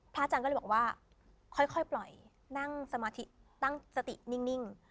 อาจารย์ก็เลยบอกว่าค่อยปล่อยนั่งสมาธิตั้งสตินิ่ง